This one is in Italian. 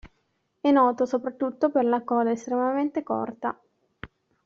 È noto soprattutto per la coda estremamente corta.